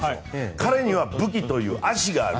彼には武器という足がある。